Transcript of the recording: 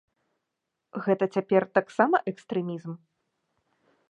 Гэта цяпер таксама экстрэмізм?